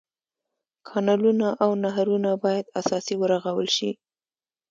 کانلونه او نهرونه باید اساسي ورغول شي.